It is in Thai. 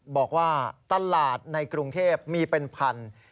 บอกว่าตลาดในกรุงเทพมีเป็นพัน